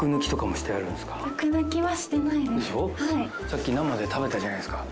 さっき生で食べたじゃないですか。